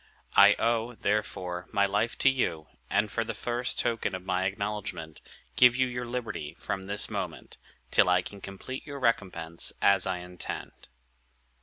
I owe, therefore, my life to you; and, for the first token of my acknowledgment, give you your liberty from this moment, till I can complete your recompense, as I intend."